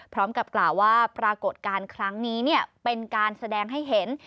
พร้อมกับกล่าวว่าปรากฏการณ์ครั้งนี้เป็นการแสดงให้เห็น